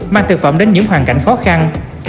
mang thực phẩm đến những hoàn cảnh khó khăn